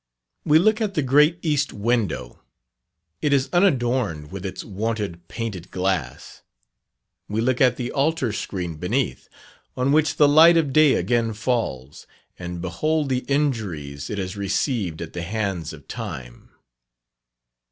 We look at the great east window, it is unadorned with its wonted painted glass; we look at the altar screen beneath, on which the light of day again falls, and behold the injuries it has received at the hands of time.